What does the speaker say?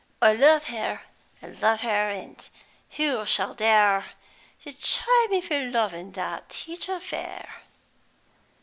'I love her, I love her, and who shall dare, to chide me for loving that teacher fair!'"